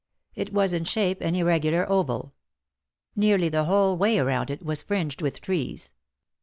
It was in shape an irregular oval. Nearly the whole way round it was fringed with trees.